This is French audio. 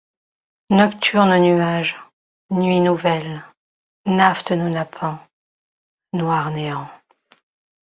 Nocturnes nuages, nuit nouvelle, naphte nous nappant, noir néant.